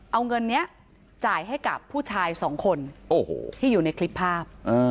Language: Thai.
เอาเงินนี้จ่ายให้กับผู้ชายสองคนที่อยู่ในคลิปภาพ